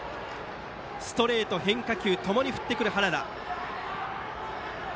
ストレート、変化球ともに振ってくる原田。